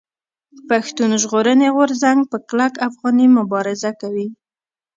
پښتون ژغورني غورځنګ په کلک افغاني مبارزه کوي.